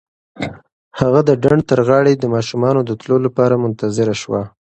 هغه د ډنډ تر غاړې د ماشومانو د تلو لپاره منتظره شوه.